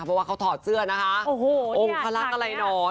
เพราะว่าเขาถอดเสื้อนะคะองคลักษณ์อะไรหนอน